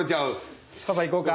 パパいこうか。